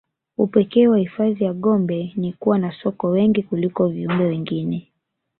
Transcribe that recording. upeeke wa hifadhi ya gombe ni kuwa na sokwe wengi kuliko viumbe wengine